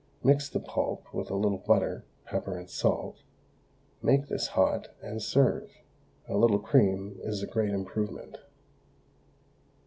Mix the pulp with a little butter, pepper, and salt; make this hot, and serve. A little cream is a great improvement.